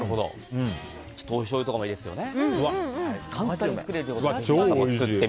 おしょうゆとかもいいですよね。